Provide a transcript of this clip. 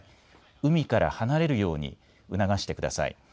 海から離れるように促してください。